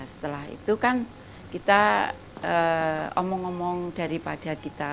setelah itu kan kita omong omong daripada kita